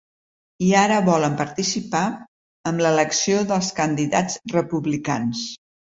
I ara volen participar amb l’elecció dels candidats republicans.